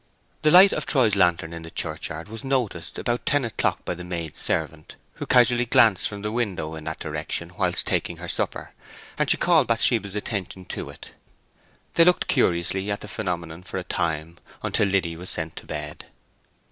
The light of Troy's lantern in the churchyard was noticed about ten o'clock by the maid servant, who casually glanced from the window in that direction whilst taking her supper, and she called Bathsheba's attention to it. They looked curiously at the phenomenon for a time, until Liddy was sent to bed.